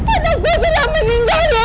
anak gue sudah meninggal dego